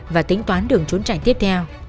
và tính toán đường trốn tránh tiếp theo